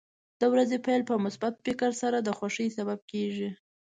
د ورځې پیل په مثبت فکر سره د خوښۍ سبب کېږي.